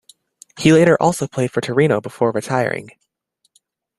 He later also played for Torino before retiring.